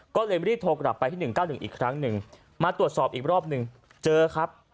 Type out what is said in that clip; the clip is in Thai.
ก็เลยรีบโทรกลับไปที่๑๙๑อีกครั้งหนึ่งมาตรวจสอบอีกรอบหนึ่งเจอครับ